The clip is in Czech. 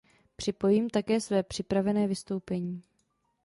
Připojím také své připravené vystoupení.